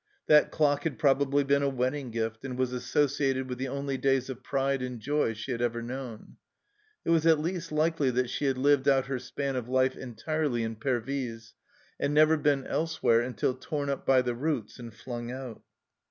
That clock had probably been a wedding gift, and was associated with the only days of pride and joy she had ever known. It was at least likely that she had lived out her span of life entirely in Pervyse, and never been elsewhere until torn up by the roots and flung out.